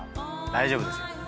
大丈夫ですよ。